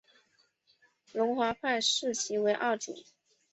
龙华派视其为二祖。